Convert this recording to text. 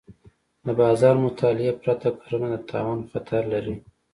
د بازار مطالعې پرته کرنه د تاوان خطر لري.